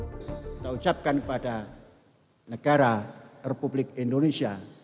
kita ucapkan kepada negara republik indonesia